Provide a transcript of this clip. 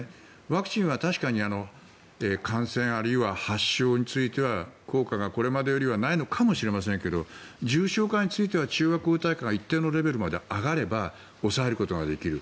ワクチンは確かに感染、あるいは発症については効果がこれまでよりはないのかもしれませんが重症化については中和抗体価が一定のレベルまで上がれば抑えることができる。